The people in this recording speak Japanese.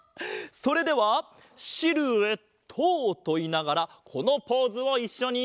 それでは「シルエット」といいながらこのポーズをいっしょに。